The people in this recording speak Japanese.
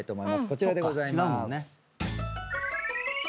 こちらでございます。